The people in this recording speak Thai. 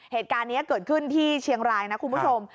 เหตุการณ์นี้เกิดขึ้นที่เชียงรายนะคุณผู้ชม